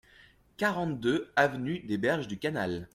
quarante-deux avenue des Berges du Canal